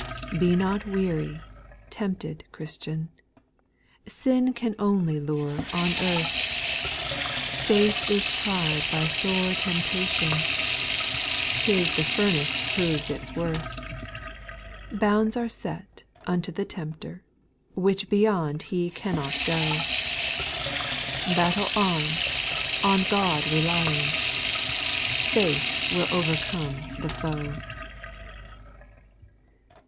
4. " Be not weary," teiwpted Christian, Sin can only lure on earth ; Faith is tried by sore temptation ; 'Tis the furnace jiroves its worth ; Bounds are set unto the tempter. Which beyond he cannot go ; Battle on, on God relying. Faith will overcome the foe.